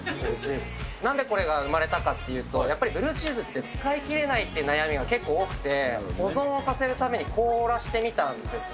なんでこれが生まれたかっていうと、やっぱりブルーチーズって、使いきれないって悩みが結構多くて、保存をさせるために凍らせてみたんですね。